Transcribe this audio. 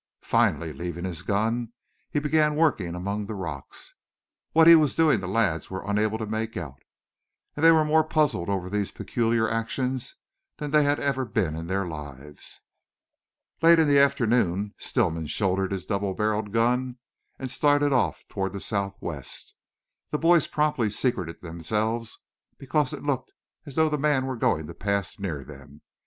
Finally, leaving his gun, he began working among the rocks. What he was doing the lads were unable to make out, and they were more puzzled over these peculiar actions than they ever had been in their lives. Late in the afternoon Stillman shouldered his double barrelled gun and started off toward the southwest. The boys promptly secreted themselves, because it looked as though the man were going to pass near them.